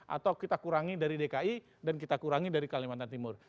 atau kita kurangi dari dki dan kita kurangi dari kalimantan timur